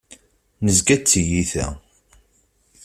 Nezga d tiyita.